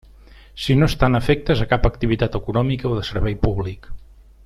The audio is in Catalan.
Si no estan afectes a cap activitat econòmica o de servei públic.